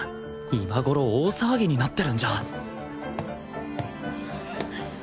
今頃大騒ぎになってるんじゃ？